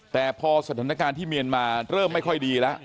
แต่พอสถานการณ์ที่เมียนมาเริ่มไม่ค่อยดีแล้ว